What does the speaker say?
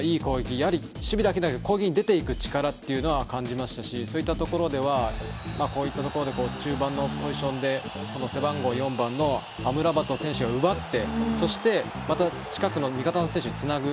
やはり守備だけではなくて攻撃に出ていく力というのは感じましたしそういったところではこういったところで中盤のポジションでこの背番号４番のアムラバト選手が奪ってそして近くの味方の選手につなげる。